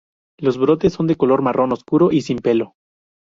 Los brotes son de color marrón oscuro y sin pelo.